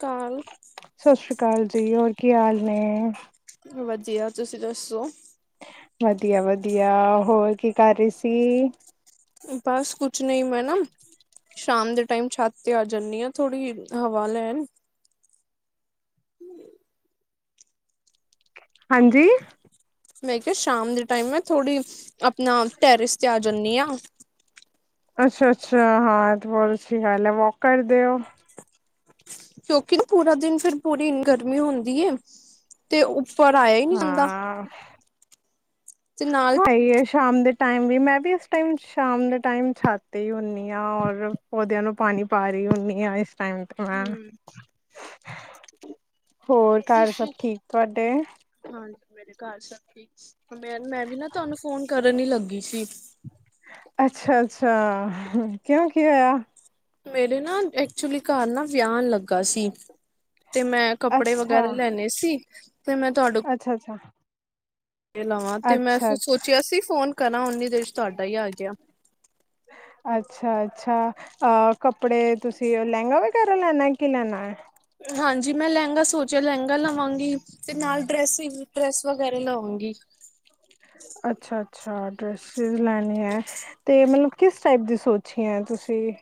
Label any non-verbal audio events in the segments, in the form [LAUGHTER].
ਕਾਲ ਸਤਿ ਸ੍ਰੀ ਅਕਾਲ ਜੀ ਹੋਰ ਕੀ ਹਾਲ ਨੇ ਵਧੀਆ ਤੁਸੀਂ ਦੱਸੋ ਵਧੀਆ ਵਧੀਆ ਹੋਰ ਕੀ ਕਰ ਰਹੇ ਸੀ ਬਸ ਕੁਛ ਨਹੀਂ ਮੈ ਨਾ ਸ਼ਾਮ ਦੇ ਟਾਈਮ ਛੱਤ ਤੇ ਆ ਜਾਂਦੀ ਆ ਥੋੜ੍ਹੀ ਹਵਾ ਲੈਣ ਹਾਂਜੀ ਮੈਂ ਕਿਹਾ ਸ਼ਾਮ ਦੇ ਟਾਈਮ ਮੈਂ ਥੋੜ੍ਹੀ ਆਪਣਾ ਟੈਰਿਸ ਤੇ ਆ ਜਾਂਦੀ ਹਾਂ ਅੱਛਾ ਅੱਛਾ ਹਾਂ ਤੇ ਬਹੁਤ ਅਛੀ ਗੱਲ ਹੈ ਵੋਕ ਕਰਦੇਓ ਕਿਉਂਕਿ ਪੂਰਾ ਦਿਨ ਫਿਰ ਪੂਰੀ ਗਰਮੀ ਹੁੰਦੀ ਹੈ ਤੇ ਉੱਪਰ ਆਇਆ ਹੀ ਨਹੀ ਜਾਂਦਾ ਤੇ ਨਾਲ ਸਹੀ ਹੈ ਸ਼ਾਮ ਦੇ ਟਾਈਮ ਵੀ ਮੈਂ ਵੀ ਇਸ ਟਾਈਮ ਸ਼ਾਮ ਦੇ ਟਾਈਮ ਛਤ ਤੇ ਹੀ ਹੁੰਦੀ ਹਾਂ ਔਰ ਪੌਦਿਆਂ ਨੂੰ ਪਾਣੀ ਪਾ ਰਹੀ ਹੁੰਦੀ ਆ ਇਸ ਟਾਈਮ ਤੇ ਮੈਂ ਹਮ ਹੋਰ ਘਰ ਸਭ ਤੁਸੀਂ ਠੀਕ ਤੁਹਾਡੇ ਹਾਂਜੀ ਮੇਰੇ ਘਰ ਸਬ ਠੀਕ, ਮੈਂ ਮੈਂ ਵੀ ਨਾ ਤੁਹਾਨੂੰ ਫੋਨ ਕਰਨ ਹੀ ਲੱਗੀ ਸੀ ਅੱਛਾ ਅੱਛਾ ਕਿਉਂ ਕੀ ਹੋਇਆ ਮੇਰੇ ਨਾ ਐਕਚੁਲੀ ਘਰ ਨਾ ਵਿਆਨ ਲੱਗਾ ਸੀ ਤੇ ਮੈਂ ਕੱਪੜੇ ਅੱਛਾ ਵਗੈਰਾ ਲੈਣੇ ਸੀ ਅੱਛਾ ਅੱਛਾ ਦੇ ਲਾਵਾਂ ਤੇ ਮੈਂ ਅੱਛਾ ਅੱਛਾ ਸੋਚਿਆ ਸੀ ਫੋਨ ਕਰਾਂ ਓਨੀ। ਉਨੇ 'ਚ ਤੁਹਾਡਾ ਆ ਗਿਆ ਹੈ। ਅੱਛਾ ਅੱਛਾ ਅਹ ਕੱਪੜੇ ਤੁਸੀਂ ਲਹਿੰਗਾ ਵਗੈਰਾ ਲੈਣਾ ਹੈ। ਕੀ ਲੈਣਾ ਹੈ? ਹਾਂਜੀ ਮੈਂ ਲਹਿੰਗਾ ਸੋਚਿਆ ਲਹਿੰਗਾ ਲਵਾਂਗੀ। ਤੇ ਨਾਲ ਡਰੈਸ ਡਰੈਸ ਵਗੈਰਾ ਲਵਾਂਗੀ। ਗੀ। [UNINTELLIGIBLE] ਅੱਛਾ-ਅੱਛਾ ਡਰੈਸਿਸ ਲੈਣੀ ਹੈ ਤੇ ਮਤਲਬ ਕਿਸ ਟਾਈਪ ਦੀ ਸੋਚੀਆ ਤੁਸੀਂ?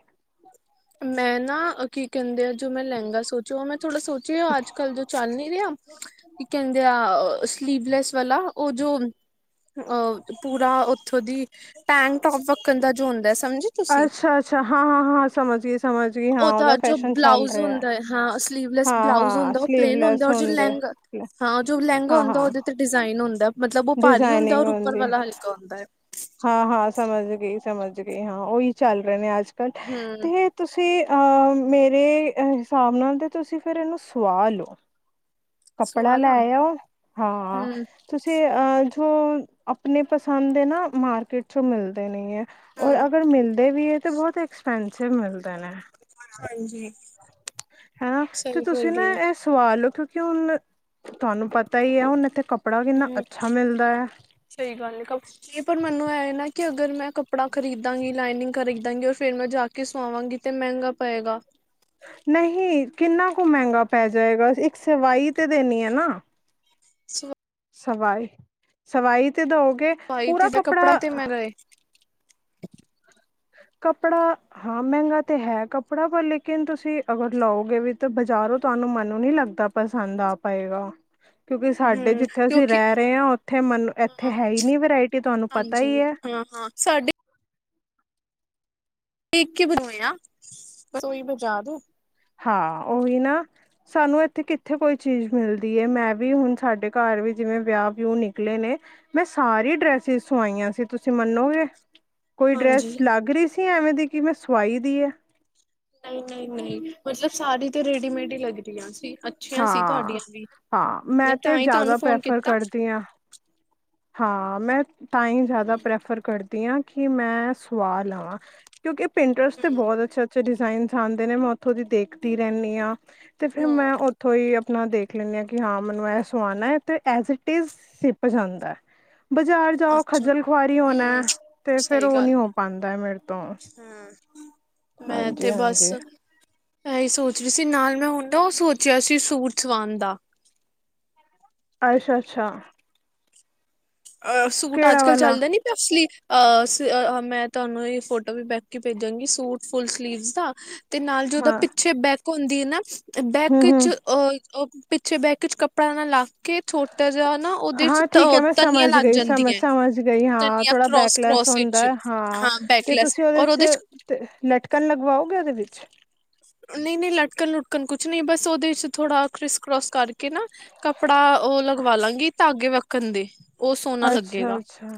ਮੈਂ ਨਾ ਕੀ ਕਹਿੰਦੇ ਆ ਜੋ ਮੈਂ ਲਹਿੰਗਾ ਸੋਚਿਆ ਮੈਂ ਥੋੜਾ ਸੋਚਿਆ ਹੈ। ਅੱਜ ਕੱਲ ਜੋ ਚੱਲ ਨੀ ਰਿਹਾ ਕਿ ਕਹਿੰਦੇ ਆ ਸਲੀਵਲੈਸ ਵਾਲਾ ਉਹ ਜੋ। ਅਹ ਪੂਰਾ ਉੱਥੋਂ ਦੀ ਟੈਂਗ ਟੋਪ ਵੱਖਣ ਦਾ ਜੋ ਹੁੰਦਾ। ਸਮਝੇ ਤੁਸੀਂ ਅੱਛਾ ਅੱਛਾ ਹਾਂ ਹਾਂ ਹਾਂ ਸਮਝ ਗਈ। ਸਮਝ ਗਈ ਹਾਂ ਉਹ ਤਾਂ ਉਹਦਾ ਜੋ ਫੈਸ਼ਨ ਚੱਲ ਬਲਾਊਜ ਰਿਹਾ। ਹੁੰਦਾਏ ਹਾਂ। ਸਲੀਵਲੈਸ ਬਲਾਊਜ਼ ਹਾਂ-ਹਾਂ ਹੁੰਦਾ ਉਹ ਪਲੇਨ ਹੁੰਦਾ ਸਲੀਵਲੈਸ ਔਰ ਜੌ ਹੁੰਦੇ ਲਹਿੰਗਾ। ਹਾਂ ਜੋ ਲਹਿੰਗਾ ਹੁੰਦਾ ਹਾਂ। ਹਾਂ-ਹਾਂ ਉਹਦੇ ਤੇ ਡਿਜ਼ਾਇਨ ਹੁੰਦਾ ਮਤਲਬ ਉਹ ਭਾਰੀ ਹੁੰਦਾ ਔਰ ਉੱਪਰ ਵਾਲਾ ਹਲਕਾ ਹੁੰਦਾ ਹੈ। ਹਾਂ ਹਾਂ ਸਮਝ ਗਈ ਸਮਝ ਗਈ ਹਾਂ। ਉਹੀ ਚੱਲ ਰਹੇ ਨੇ ਅੱਜ ਕੱਲ੍ਹ ਹੂੰ ਤੇ ਤੁਸੀਂ? ਅਹ ਮੇਰੇ ਹਿਸਾਬ ਨਾਲ ਤੇ ਤੁਸੀਂ ਫਿਰ ਇਹਨੂੰ ਸੁਵਾ ਲਓ? ਕੱਪੜਾ ਲੈ ਸੁਆਲਾ ਆੳ ਹਾਂ ਹੂੰ ਤੁਸੀਂ ਅਹ। ਆਪਣੇ ਪਸੰਦ ਦੇ ਨਾ ਮਾਰਕੀਟ ਚੋਂ ਮਿਲਦੇ ਨਹੀਂ ਹੈ। ਹੂੰ ਔਰ ਅਗਰ ਮਿਲਦੇ ਵੀ ਹੈ ਤੇ ਬਹੁਤ ਐਕਸਪੈਂਸਿਵ ਮਿਲਦੇ ਨੇ। ਹਾਂਜੀ। ਹਨਾ ਤੇ ਸਹੀ ਬੋਲ ਤੁਸੀਂ ਨਾ ਰਹੇ ਹੋ ਇਹ ਸਵਾਲੋ ਉੱਥੋਂ। ਕਿਉਂਕਿ ਹੁਣ ਤੁਹਾਨੂੰ ਪਤਾ ਹੀ ਹੁਣ ਇੱਥੇ । ਹੂੰ ਸਹੀ ਗੱਲ ਹੈ ਪਰ ਮੈਨੂੰ ਐ। ਨਾ ਕਿ ਅਗਰ ਮੈਂ ਕੱਪੜਾ ਖਰੀਦਾਂਗੀ ਲਾਈਨਿੰਗ ਖਰੀਦਾਂਗੀ ਔਰ ਫੇਰ ਮੈਂ ਜਾ ਕੇ ਸਵਾਵਾਂਗੀ ਤੇ ਮਹਿੰਗਾ ਪਏਗਾ। ਨਹੀਂ ਕਿੰਨਾ ਕੁ ਮਹਿੰਗਾ ਪੈ ਜਾਏਗਾ ਇੱਕ ਸਵਾਈ ਤੇ ਦੇਣੀ ਆ ਨਾ। [UNINTELLIGIBLE] ਸਵਾਈ ਸਵਾਈ ਤੇ ਦੋਗੇ ਸਵਾਈ ਤੇ ਪੂਰਾ ਦਾ ਕੱਪੜਾ। ਤੇ ਮਹਿੰਗਾ ਏ ਕੱਪੜਾ ਹਾਂ ਮਹਿੰਗਾ ਤੇ ਹੈ ਕੱਪੜਾ। ਪਰ ਲੇਕਿਨ ਤੁਸੀਂ ਅਗਰ ਲਾਓਗੇ ਵੀ ਤਾਂ‌। ਬਜ਼ਾਰੋਂ ਤੁਹਾਨੂੰ ਮੈਨੂੰ ਨੀ ਲੱਗਦਾ ਪਸੰਦ ਆ ਪਾਏਗਾ? ਕਿਉਂਕਿ ਸਾਡੇ ਹੂੰ ਜਿੱਥੇ ਅਸੀਂ ਕਿਉਂਕਿ ਰਹਿ ਰਹੇ ਹਾਂ। ਉੱਥੇ ਮਨ ਇੱਥੇ ਹਾਂ ਹੈ। ਨੀ ਵਰਾਇਟੀ ਤੁਹਾਨੂੰ ਪਤਾ ਹੀ ਹਾਂਜੀ ਹੈ? ਹਾਂ ਸਾਡੇ। ਦੇਖ ਕੇ ਬਣਾਇਆ ਆ ਪਰ ਕੋਈ ਬਚਾ ਦੋ। ਹਾਂ ਉਹੀ ਨਾ ਸਾਨੂੰ ਇੱਥੇ ਕਿੱਥੇ ਕੋਈ ਚੀਜ਼ ਮਿਲਦੀ ਹੈ। ਮੈਂ ਵੀ ਹੁਣ ਸਾਡੇ ਘਰ। ਘਰ ਵਿੱਚ ਜਿਵੇਂ ਵਿਆਹ ਵਿਹ ਨਿਕਲੇ ਨੇ ਮੈਂ ਸਾਰੀ ਡਰੈਸਿਸ ਸਵਾਈਆਂ ਸੀ। ਤੁਸੀਂ ਮੰਨੋਗੇ? ਕੋਈ ਹਾਂਜੀ ਡਰੈਸ ਲੱਗ ਰਹੀ ਸੀ ਐਵੇਂ ਦੀ ਕਿ ਮੈਂ ਸਵਾਈ ਦੀ ਹੈ। ਨਹੀਂ ਨਹੀਂ ਨਹੀਂ ਮਤਲਬ ਸਾਰੀ ਤੇ ਰੇਡੀਮੇਡ ਹੀ ਲੱਗਦੀ ਆ ਸੀ। ਅੱਛੀਆਂ ਸੀ ਹਾਂ ਤੁਹਾਡੀਆਂ ਵੀ ਹਾਂ ਮੈਂ ਤੇ ਤਾਂ ਹੀ ਜ਼ਿਆਦਾ ਤੁਹਾਨੂੰ ਫੋਨ ਪ੍ਰੈਫਰ ਕੀਤਾ। ਕਰਦੀ ਹਾਂ ਹਾਂ ਮੈਂ ਤਾਂ ਹੀ ਜ਼ਿਆਦਾ ਪ੍ਰੈਫਰ ਕਰਦੀ ਹਾਂ। ਕਿ ਮੈਂ ਸੁਆਹ ਲਵਾਂ। ਕਿਉਂਕਿ ਪੇਂਟਰਸ ਤੇ ਬਹੁਤ ਅੱਛੇ ਅੱਛੇ ਡਿਜ਼ਾਇਨਸ ਆਉਦੇ ਨੇ। ਉੱਥੋਂ ਦੀ ਦੇਖਦੀ ਰਹਿੰਦੀ ਹਾਂ। ਤੇ ਫੇਰ ਹਮ ਮੈਂ ਉੱਥੋਂ ਹੀ। ਆਪਣਾ ਦੇਖ ਲੈਂਦੇ ਹਾਂ ਕਿ ਹਾਂ ਮੈਨੂੰ ਇਹ ਸਵਾਣਾ ਹੈ ਤੇ ਐਜ ਇਟ ਇਜ਼ ਸਿਪ ਜਾਂਦਾ ਹੈ। ਬਜ਼ਾਰ ਜਾਓ ਅੱਛਾ ਖੱਜਲ ਖੁਆਰੀ ਹੋਣਾ ਹਮ ਤੇ ਫੇਰ ਸਹੀ ਉਹ ਗੱਲ ਨੀ ਹੋ ਪਾਉਂਦਾ ਮੇਰੇ ਤੋਂ। ਹੈ। ਮੈਂ ਹਾਂਜੀ ਤੇ ਬਸ। ਹਾਂਜੀ ਆਈ ਸੋਚ ਰਹੀ ਸੀ ਨਾਲ ਮੈਂ ਹੁਣ ਨਾ ਉਹ ਸੋਚਿਆ ਸੀ। ਸੂਟ ਸਵਾਉਣ ਦਾ। ਅੱਛਾ ਅੱਛਾ। ਅਹ ਸੂਟ ਅੱਜ ਕਿਹੜਾ ਕੱਲ ਵਾਲਾ ਚੱਲਦਾ ਨੀ ਪ ਅਸਲੀ। ਅਹ ਮੈਂ ਤੁਹਾਨੂੰ ਇਹ ਫੋਟੋ ਵੀ ਦੇਖ ਕੇ ਭੇਜਾਂਗੀ ਸੂਟ ਫੁਲ ਸਲੀਵ ਦਾ। ਤੇ ਨਾਲ ਜੋ ਉਹਦਾ ਹਾਂ ਪਿੱਛੇ ਬੈਕ ਹੁੰਦੀ ਹੈ। ਨਾ ਬੈਕ ਹਮ ਹਮ ਵਿੱਚ ਅ। ਪਿੱਛੇ ਬੈਕ ਚ ਕੱਪੜਾ ਨਾ ਲਗ ਕੇ ਛੋਟਾ ਜਿਹਾ ਨਾ ਉਹਦੇ 'ਚ। ਹਾਂ ਠੀਕ ਹੈ ਮੈਂ ਤਨੀਆਂ ਸਮਝ ਲੱਗ ਗਈ ਸਮਝ ਜਾਂਦੀਆਂ ਸਮਝ ਗਈ ਹਾਂ ਤਨੀਆਂ ਥੋੜ੍ਹਾ ਕਰੋਸ ਬੈਕਲੈਸ ਕਰੋਸ ਹੁੰਦਾ ਵਿੱਚ ਹਾਂ ਤੇ ਤੁਸੀਂ ਉਹਦੇ। 'ਚ ਤੇ ਲਟਕਣ ਲਗਵਾਓਗੇ ਉਹਦੇ ਵਿੱਚ। ਨਹੀਂ-ਨਹੀਂ ਲਟਕਣ ਲੁਟਕਣ ਕੁਛ ਨਹੀਂ ਬਸ ਉਹਦੇ ਚ ਥੋੜਾ ਕ੍ਰਿਸ ਕਰੋਸ ਕਰਕੇ ਨਾ ਕ ਕੱਪੜਾ ਉਹ ਲਗਵਾ ਲਾਂਗੀ ਧਾਗੇ ਵਾਕਣ ਦੇ ਉਹ ਸੋਹਣਾ ਅੱਛਾ ਲੱਗੇਗਾ ਅੱਛਾ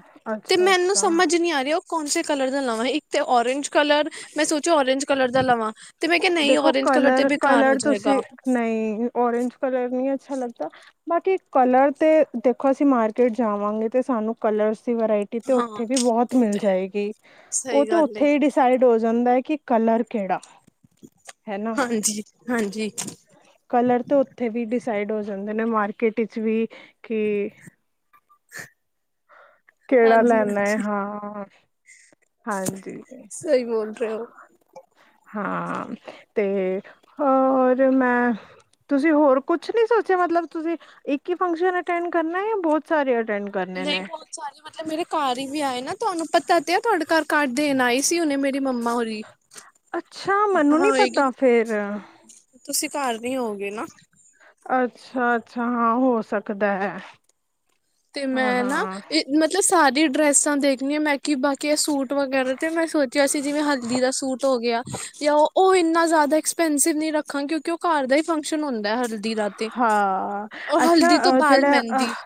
ਤੇ ਅੱਛਾ ਮੈਨੂੰ ਅੱਛਾ ਸਮਝ ਨੀ ਆ ਰਿਹਾ ਕੌਣਸੇ ਕਲਰ ਦਾ ਲਵਾਂ ਇੱਕ ਤੇ ਔਰਂਜ ਕਲਰ ਮੈਂ ਸੋਚਿਆ ਔਰਂਜ ਕਲਰ ਦਾ ਲਵਾਂ ਤੇ ਮੈਂ ਕਿਹਾ ਨਹੀਂ ਦੇਖੋ ਔਰੰਜ ਕਲਰ ਤੇ ਬੇਕਾਰ ਹੋ ਕਲਰ-ਕਲਰ ਜਾਏਗਾ ਤੁਸੀਂ ਨਹੀਂ ਓਰੇਂਜ ਕਲਰ ਨੀ ਅੱਛਾ ਅੱਛਾ ਲੱਗਦਾ ਬਾਕੀ ਕਲਰ ਤੇ ਦੇਖੋ ਅਸੀਂ ਮਾਰਕੀਟ ਜਾਵਾਂਗੇ ਤੇ ਸਾਨੂੰ ਕਲਰ ਵਰਾਇਟੀ ਤੇ ਹਾਂ ਉੱਥੇ ਵੀ ਬਹੁਤ ਉਹ ਮਿਲ ਤੇ ਹੈ ਜਾਏਗੀ ਉਹ ਸਹੀ ਤੇ ਗੱਲ ਏ ਉੱਥੇ ਹੀ ਡਿਸਾਈਡ ਹੋ ਜਾਂਦਾ ਹੈ ਕੀ ਕਲਰ ਕਿਹੜਾ ਹੈ ਨਾ ਹਾਂਜੀ ਹਾਂਜੀ ਕਲਰ ਤਾਂ ਉੱਥੇ ਵੀ ਡਿਸਾਈਡ ਹੋ ਜਾਂਦੇ ਨੇ ਮਾਰਕੀਟ ਵਿਚ ਵੀ ਕਿ [INAUDIBLE] ਕਿਹੜਾ ਹਾਂਜੀ ਲੈਣਾ ਹਾਂਜੀ ਹਾਂ ਹਾਂਜੀ ਸਹੀ ਬੋਲ ਰਹੇ ਹੋ ਹਾਂ ਤੇ ਅ ਔਰ ਮੈਂ ਤੁਸੀਂ ਹੋਰ ਕੁਛ ਨੀ ਸੋਚਿਆ ਮਤਲਬ ਤੁਸੀਂ ਇੱਕ ਹੀ ਫੰਕਸ਼ਨ ਅਟੈਂਡ ਕਰਨਾ ਹੈ ਬਹੁਤ ਸਾਰੇ ਅਟੈਂਡ ਕਰਨੇ ਨਹੀਂ ਨੇ ਬਹੁਤ ਸਾਰੀ ਮਤਲਬ ਮੇਰੇ ਘਰ ਹੀ ਵੀ ਆਏ ਨਾ ਤੁਹਾਨੂੰ ਪਤਾ ਤੇ ਆ ਤੁਹਾਡੇ ਘਰ ਕਾਰਡ ਦੇਣ ਆਈ ਸੀ ਹੁਣੇ ਮੇਰੀ ਮੰਮਾ ਹੋਰੀ ਅੱਛਾ ਮੈਨੂੰ ਨੀ ਹਾਂਗੀ ਪਤਾ ਫੇਰ ਤੁਸੀਂ ਘਰ ਨ ਹੋਗੇ ਨਾ ਅੱਛਾ ਅੱਛਾ ਹਾਂ ਹੋ ਸਕਦਾ ਹੈ ਤੇ ਹਾਂ ਮੈਂ ਨਾ ਹਾਂ ਇਹ ਮਤਲਬ ਸਾਰੀ ਡਰੈਸਾਂ ਦੇਖਣੀਆਂ ਮੈਂ ਕਿ ਬਾਕੀ ਇਹ ਸੂਟ ਵਗੈਰਾ ਤੇ ਮੈਂ ਸੋਚਿਆ ਸੀ ਜਿਵੇਂ ਹਲਦੀ ਦਾ ਸੂਟ ਹੋ ਗਿਆ ਤੇ ਉਹ ਇੰਨਾ ਜ਼ਿਆਦਾ ਐਕਸਪੈਂਸਿਵ ਨਹੀ ਰਾਖਾ ਕਿਉਂਕਿ ਉਹ ਘਰ ਦਾ ਹੀ ਫੰਕਸ਼ਨ ਹੁੰਦਾ ਹਲਦੀ ਦਾ ਤੇ ਹਾਂ ਔਰ ਅੱਛਾ ਹਲਦੀ ਤੋਂ ਅਹ ਬਾਅਦ ਜਿਹੜਾ ਮਹਿੰਦੀ ਅਹ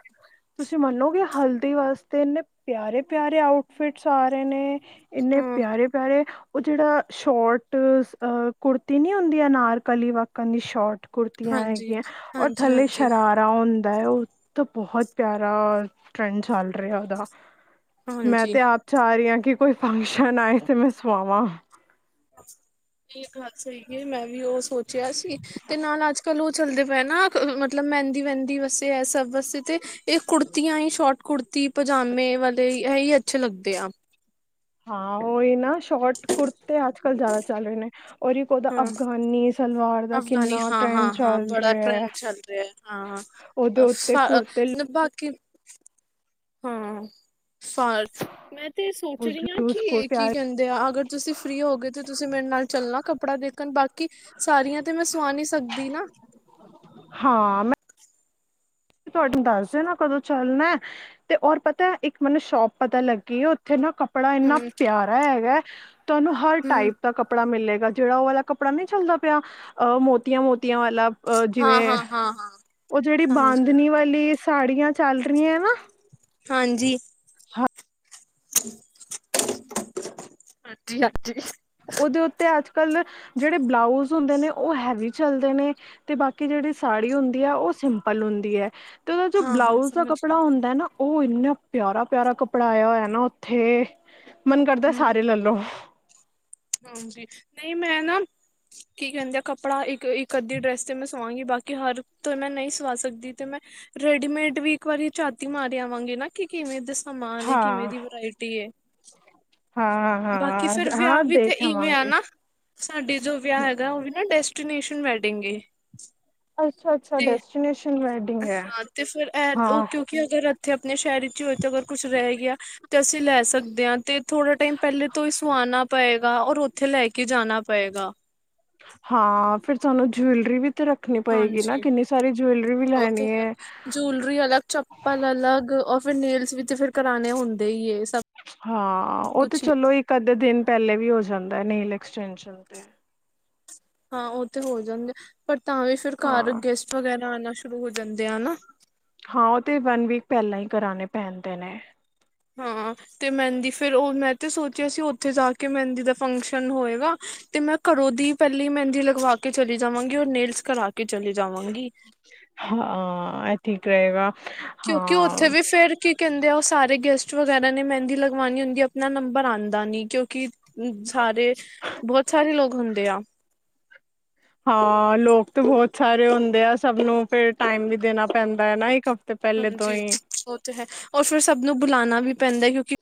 ਤੁਸੀਂ ਮੰਨੋਗੇ, ਹਲਦੀ ਵਾਸਤੇ ਇੰਨੇ ਪਿਆਰੇ-ਪਿਆਰੇ ਆਊਟਫਿਟਸ ਆ ਰਹੇ ਨੇ ਇੰਨੇ ਹਮ ਪਿਆਰੇ-ਪਿਆਰੇ ਉਹ ਜਿਹੜਾ ਸ਼ੋਟ ਕੁੜਤੀ ਨੀ ਹੁੰਦੀ, ਅਨਾਰਕਲੀ ਵਾਕਣ ਦੀ ਸ਼ੋਟ ਕੁੜਤੀਆਂ ਹਾਂਜੀ ਹੈਗੀਆਂ ।ਔਰ ਹਾਂਜੀ ਥੱਲੇ ਹਾਂਜੀ ਸ਼ਰਾਰਾ ਹੁੰਦਾ ਹੈ ਉਹ ਬਹੁਤ ਪਿਆਰਾ ਟਰੈਂਡ ਚੱਲ ਰਿਹਾ। ਉਹਦਾ ਮੈਂ ਹਾਂਜੀ ਤੇ ਆਪ ਚਾਹ ਰਹੀ ਹਾਂ ਕੀ ਕੋਈ ਫੰਕਸ਼ਨ ਆਏ ਤੇ ਮੈਂ ਸੁਵਾਵਾ ਇਹ ਗੱਲ ਸਹੀ ਹੈ। ਮੈਂ ਵੀ ਉਹ ਸੋਚਿਆ ਸੀ ਤੇ ਨਾਲ ਅੱਜ ਕੱਲ ਉਹ ਚੱਲਦੇ ਪਏ ਨਾ। ਮਤਲਬ ਮਹਿੰਦੀ ਵਹਿੰਦੀ ਵਾਸਤੇ ਹੈ ਸਭ ਵਾਸਤੇ ਤੇ ਇਹ ਕੁੜਤੀਆਂ ਹੀ ਸ਼ੋਰਟ ਕੁੜਤੀ ਤੀ ਪਜਾਮੇ ਵਾਲੇ ਇਹੀ ਅੱਛੇ ਲੱਗਦੇ ਆ ਹਾਂ। ਉਹੀ ਨਾ ਸ਼ੋਰਟ ਕੁੁਰਤੇ ਆਜ ਕੱਲ ਜ਼ਿਆਦਾ ਚਲ ਰਹੇ ਨੇ ਓਰ ਏਕ ਓਦ੍ਹਾ ਅਫਗਾਨੀ ਸਲਵਾਰ ਦਾ ਅਫਗਾਨੀ ਕਿੰਨਾ ਟਰੈਂਡ ਹਾਂ-ਹਾਂ ਹਾਂ ਚੱਲ ਬੜਾ ਰਿਹਾ ਟਰੈਂਡ ਚੱਲ ਰਿਹਾ ਉਹਦੇ ਉੱਤੇ ਕੁੜਤੇ ਹੈ ਬਾਕੀ ਹਾਂ ਫਾਰ ਮੈਂ ਤੇ ਸੋਚ ਲੂਜ ਰਹੀ ਹਾਂ ਲੂਜ ਕਿ ਕੁੜਤੇ ਕੀ ਆ। ਕਹਿੰਦੇ ਆ ਅਗਰ ਤੁਸੀਂ ਫਰੀ ਹੋਗੇਏ ਤੁਸੀਂ ਮੇਰੇ ਨਾਲ ਚੱਲਣਾ ਕੱਪੜਾ ਦੇਖਣ ਬਾਕੀ ਕਿ ਸਾਰੀਆਂ ਤੇ ਮੈਂ ਸਵਾ ਨ ਸਕਦੀ ਨਾ ਹਾਂ ਮੈਂ ਤੁਹਾਨੂੰ ਦੱਸ ਦਿ ਨਾ ਕਦੋਂ ਚੱਲਣਾ ਤੇ ਓਰ ਪਤਾ ਇੱਕ ਮੈਨੂੰ ਸ਼ੋਪ ਪਤਾ ਲੱਗੀ ਹੈ ਉੱਥੇ ਨਾ ਕੱ ਕੱਪੜਾ ਇੰਨਾ ਹੂੰ ਪਿਆਰਾ ਹੈਗਾ। ਤੁਹਾਨੂੰ ਹਰ ਹੂੰ ਟਾਈਪ ਦਾ ਕੱਪੜਾ ਮਿਲੇਗਾ ਜਿਹੜਾ ਉਹ ਵਾਲਾ ਕੱਪੜਾ ਨਹੀਂ ਚੱਲਦਾ ਪਿਆ ਅਹ ਮੋਤੀਆਂ ਮੋਤੀ ਮੋਤੀਆਂ ਵਾਲਾ ਅਹ ਹਾਂ ਜਿਵੇਂ ਹਾਂ ਹਾਂ ਹਾਂ ਉਹ ਜਿਹੜੀ ਸਮਝ ਬਾਂਦ ਗਏ ਵਾਲੀ ਸਾੜੀਆਂ ਚੱਲ ਰਹੀਆਂ ਨਾ ਹਾਂਜੀ ਹਾਂਜੀ ਹ ਉਹਦੇ ਉੱਤੇ ਅੱਜ ਕੱਲ ਜਿਹੜੇ ਸਿੰਪਲ ਹੁੰਦੀ ਹੈ। ਤੇ ਉਹਦਾ ਜੋ ਹਾਂ ਹਾਂ ਬਲਾਊਜ਼ ਦਾ ਸਮਝ ਕੱਪੜਾ ਗਏ ਹੁੰਦਾ ਨਾ ਉਹ ਇੰਨਾ ਪਿਆਰਾ ਪਿਆਰਾ ਕੱਪੜਾ ਆਇਆ ਨਾ ਉੱਥੇ ਮਨ ਕਰਦਾ ਹੂੰ ਸਾਰੇ ਲੈ ਲੋ। ਹਾਂਜੀ। ਨਹੀਂ ਮੈਂ ਨਾ ਕੀਕਹਿੰਦੇ ਆ ਕੱਪੜਾ ਇੱਕ ਅੱਧੀ ਡਰੈਸ ਤੇ ਮੈਂ ਸਵਾਂਗੀ ਬਾਕੀ। ਹਰ ਤੋਂ ਮੈਂ ਨਹੀਂ ਸਵਾ ਸਕਦੀ ਤੇ ਮੈਂ ਰੇਡੀਮੇਡ ਵੀ ਇੱਕ ਵਾਰੀ ਝਾਤੀ ਮਾਰ ਆਵਾਂਗੇ ਨਾ ਕਿ ਕਿਵੇਂ ਸਮਾਨ ਏ, ਕਿਵੇਂ ਹਾਂ ਦੀ ਵਰਾਇਟੀ ਐ ਹਾਂ ਹਾਂ ਹਾਂ ਦੇ ਈਵੇਂ ਆ ਨਾ ਸਾਡੇ ਜੋ ਵਿਆਹ ਹੈਗਾ, ਉਹ ਵੀ ਨਾ ਡੈਸਟੀਨੇਸ਼ਨ ਵੈਡਿੰਗ ਏ। ਅੱਛਾ ਅੱਛਾ ਤੇ ਡੈਸਟੀਨੇਸ਼ਨ ਵੈਡਿੰਗ ਹੈ। ਹਾਂ ਤੇ ਫਿਰ ਇਹ ਉਹ ਹਾਂ ਕਿਉਂਕਿ ਅਗਰ ਇੱਥੇ ਆਪਣੇ ਸ਼ਹਿਰ ਵਿੱਚ ਹੀ ਹੋਏ ਤੇ ਅਗਰ ਕੁਛ ਰਹਿ ਗਿਆ ਤੇ ਅਸੀਂ ਲੈ ਸਕਦੇ ਹਾਂ। ਤੇ ਥੋੜਾ ਟਾਈਮ ਪਹਿਲੇ ਤੋਂ ਹੀ ਸੁਆਣਾ ਪੇਗਾ ਔਰ ਉੱਥੇ ਲੈ ਕੇ ਜਾਣਾ ਪੇਗਾ। ਹਾਂ। ਫਿਰ ਤੁਹਾਨੂੰ ਜੂਲਰੀ ਵੀ ਤੇ ਰੱਖਣੀ ਪਏਗੀ ਨਾ ਹਾਂਜੀ। ਕਿੰਨੀ ਸਾਰੀ ਜਵੈਲਰੀ ਵੀ ਉਹ ਤੇ ਲੈਣੀ ਹੈ ਜੂਲਰੀ ਅਲੱਗ ਚੱਪਲ ਅਲੱਗ ਫਿਰ ਨੇਲਸ ਵੀ ਤੇ ਫਿਰ ਕਰਾਣੇ ਹੁੰਦੇ ਈ ਐ। ਹਾਂ। ਉਹ ਤੇ ਚਲੋ ਇੱਕ ਅੱਧੇ ਦਿਨ ਪਹਿਲੇ ਵੀ ਹੋ ਜਾਂਦਾ ਹੈ ਨੀਲ ਐਕਸਟੈਂਸ਼ਨ ਤੇ ਹਾਂ। ਉਹ ਤੇ ਹੋ ਜਾਂਦੇ ਆ ਪਰ ਤਾਂ ਵੀ ਫਿਰ ਘਰ ਹਾਂ ਗੈਸਟ ਵਗੈਰਾ ਆਉਣਾ ਸ਼ੁਰੂ ਹੋ ਜਾਂਦੇ ਐ ਨਾ। ਹਾਂ। ਉਹ ਤੇ ਵਨ ਵੀਕ ਪਹਿਲਾਂ ਹੀ ਕਰਾਣੇ ਪੈਣਦੇ ਨੇ ਹਾਂ। ਤੇ ਮਹਿੰਦੀ ਫਿਰ ਉਹ ਮੈਂ ਤੇ ਸੋਚਿਆ ਸੀ ਉੱਥੇ ਜਾ ਕੇ ਮਹਿੰਦੀ ਦਾ ਫੰਕਸ਼ਨ ਹੋਏਗਾ ਤੇ ਮੈਂ ਘਰੋਂ ਦੀ ਪਹਿਲੀ ਮਹਿੰਦੀ ਲਗਵਾ ਕੇ ਚਲੀ ਜਾਵਾਂਗੀ ਉਹਰ ਨੇਲਸ ਕਰਾ ਕੇ ਕੇ ਚਲੇ ਜਾਵਾਂਗੀ‌। ਹਾਂ ਇਹ ਠੀਕ ਰਹੇਗਾ। ਕਿਉਂਕਿ ਉੱਥੇ ਹਾਂ ਵੀ ਫੇਰ ਕੀ ਕਹਿੰਦੇ ਆ। ਉਹ ਸਾਰੇ ਗੈਸਟ ਵਗੈਰਾ ਨੇ ਮਹਿੰਦੀ ਲਗਵਾਨਣੀ ਹੁੰਦੀ ਆਪਣਾ ਨੰਬਰ ਆਉਂਦਾ ਨੀ ਕਿਉਂਕਿ ਸਾਰੇ ਬਹੁਤ ਸਾਰੇ ਲੋਕ ਹੁੰਦੇ ਆ ਹਾਂ ਲੋਕ ਤਾਂ ਬਹੁਤ ਸਾਰੇ ਹੁੰਦੇ ਆ ਸਭ ਨੂੰ ਫਿਰ ਟਾਈਮ ਵੀ ਦੇਣਾ ਪੈਂਦਾ ਹੈ ਨਾ ਇੱਕ ਹ ਹਾਂਜੀ ਉਹ ਤੇ ਹੈ ਰੋ ਫਿਰ ਸਭ ਨੂੰ ਬੁਲਾਣਾ ਵੀ ਪੈਂਦਾ ਕਿਉਂਕਿ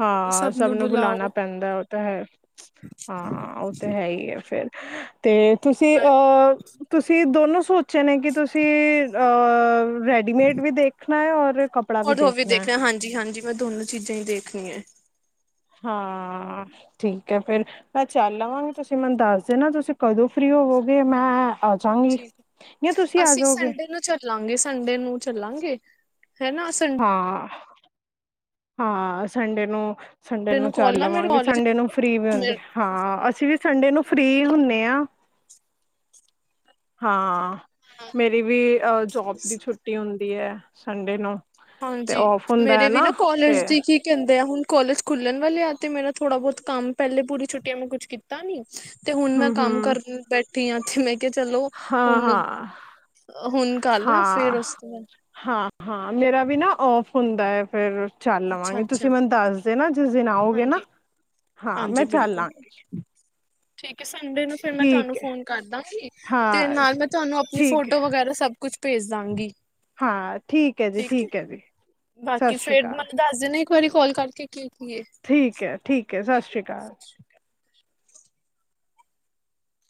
ਹਾਂ ਸਭ ਨੂੰ ਬੁਲਾਉਣਾ ਪੈਂਦਾ ਉਹ ਤਾਂ ਹੈ ਹਾਂ ਉਹ ਤਾਂ ਹੈ ਹੀ ਹੈ ਫੇਰ ਤੇ ਤੁਸੀਂ ਮੈਂ ਅਹ ਤੁਸੀਂ ਦੋਨੋਂ ਸੋਚੇ ਨੇ ਕਿ ਤੁਸੀਂ ਰੈਡੀਮੇਡ ਵੀ ਦੇਖਣਾ ਹੈ ਔਰ ਹੋਰ ਹੋ ਵੀ ਦੇਖਣਾ ਹਾਂਜੀ ਹਾਂਜੀ ਮੈਂ ਦੋਨੋ ਚੀਜ਼ਾਂ ਹੀ ਦੇਖਣੀ ਹੈ ਹਾਂ ਠੀਕ ਹੈ ਫੇਰ ਮੈਂ ਚੱਲ ਆਵਾਂਗੀ ਤੁਸੀਂ ਮੈਨੂੰ ਦੱਸ ਦਿ ਨਾ ਤੁਸੀਂ ਕਦੋਂ ਫਰੀ ਹੋ ਗਏ ਮੈਂ ਆ ਜਾਂਗੀ ਜੀ ਜਾਂ ਤੁਸੀਂ ਆ ਅਸੀਂ ਜਾਓਗੇ ਸੰਡੇ ਨੂੰ ਚੱਲਾਂਗੇ ਸੰਡੇ ਨੂੰ ਚੱਲਾਂਗੇ ਹਨਾ ਸੰਡੇ ਹਾਂ ਹਾਂ ਸੰਡੇ ਨੂੰ ਸੰਡੇ ਨੂੰ ਚੱਲ ਕਾਲ ਨਾ ਮੇਰੇ ਲਵਾਂਗੇ ਕਾਲਜ ਸੰਡੇ ਨੂੰ ਫ੍ਰਰੀ ਵੀ ਹੁੰਦੀ ਹਾਂ ਅਸੀਂ ਵੀ ਸੰਡੇ ਨੂੰ ਫ੍ਰਰੀ ਹੁੰਦੇ ਆ ਹਾਂ ਮੇਰੀ ਵੀ ਅਹ ਜੋਬ ਦੀ ਛੁੱਟੀ ਹੁੰਦੀ ਹੈ ਸੰਡੇ ਨੂੰ ਤੇ ਹਾਂਜੀ ਔਫ ਹੁੰਦਾ ਮੇਰੇ ਹੈ ਵੀ ਨਾ ਕੋਲਜ ਤੇ ਦੀ ਕੀ ਕਹਿੰਦੇ ਆ ਹੁਣ ਕੋਲਜ ਖੁੱਲਣ ਵਾਲੇ ਆ ਤੇ ਮੇਰਾ ਥੋੜ੍ਹਾ ਬਹੁਤ ਕੰਮ ਪਹਿਲੇ ਪੂਰੀ ਛੁੱਟੀਆ ਮੈਂ ਕੁਛ ਕੀਤਾ ਨੀ ਤੇ ਹੁਣ ਮੈਂ ਹਮ ਕੰਮ ਹਮ ਕਰਨ ਬੈਠੀ ਆਾਂ ਤੇ ਮੈਂ ਕਿਹਾ ਚਲੋ ਹਾਂ ਹੁਣ ਹਾਂ ਹੁਣ ਗੱਲ ਨਾ ਫੇਰ ਹਾਂ ਉਸ ਤੋਂ ਬਾਅਦ ਹਾਂ ਹਾਂ ਮੇਰਾ ਵੀ ਨਾ ਔਫ ਹੁੰਦਾ ਹੈ ਫੇਰ ਚੱਲ ਅੱਛਾ ਲਵਾਂਗੇ ਅੱਛਾ ਤੁਸੀਂ ਮੈਨੂੰ ਦੱਸਦੇ ਨਾ ਜਿਸ ਦਿਨ ਆਓਗੇ ਨਾ ਹਾਂਜੀ, ਹਾਂ ਮੈਂ ਹਾਂਜੀ ਚੱਲ ਬਿਲਕੁਲ ਆਂਗੀ ਠੀਕ ਸੰਡੇ ਨੂੰ ਫੇਰ ਮੈਂ ਤੁਹਾਨੂੰ ਠੀਕ ਹੈ ਫੋਨ ਕਰਦਾਂ ਤੇ ਹਾਂ ਨਾਲ ਮੈਂ ਤੁਹਾਨੂੰ ਆਪਣੀ ਠੀਕ ਫੋਟੋ ਹੈ ਵਗੈਰਾ ਸਭ ਕੁਛ ਭੇਜ ਦਾਂਗੀ ਠੀਕ ਹੈ ਸਤਿ ਬਾਕੀ ਸ਼੍ਰੀ ਫੇਰ ਅਕਾਲ ਮਤਨੂੰ ਦੱਸ ਦੇਣੇ ਇਕ ਵਾਰੀ ਕਾਲ ਕਰਕੇ ਕੀ ਕੀ ਹੈ ਠੀਕ ਐ ਠੀਕ ਐ ਸਤਿ ਹੈ ਸ੍ਰੀ ਜੀ ਅਕਾਲ। ਸਤਿ ਸ਼੍ਰੀ